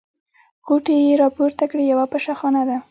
غوټې يې راپورته کړې: یوه پشه خانه ده.